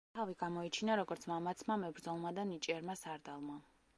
თავი გამოიჩინა, როგორც მამაცმა მებრძოლმა და ნიჭიერმა სარდალმა.